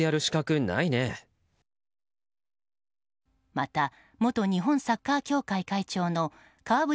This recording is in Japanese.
また元日本サッカー協会会長の川淵